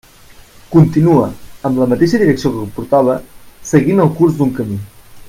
Continua, amb la mateixa direcció que portava, seguint el curs d'un camí.